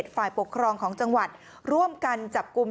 ฝ่ายปกครองของจังหวัดร่วมกันจับกลุ่ม